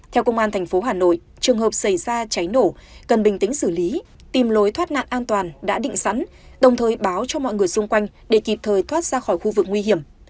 theo công an tp hà nội trường hợp xảy ra cháy nổ cần bình tĩnh xử lý tìm lối thoát nạn an toàn đã định sẵn đồng thời báo cho mọi người xung quanh để kịp thời thoát ra khỏi khu vực nguy hiểm